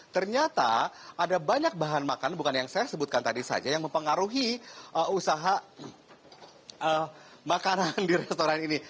ternyata ada banyak bahan makanan bukan yang saya sebutkan tadi saja yang mempengaruhi usaha makanan di restoran ini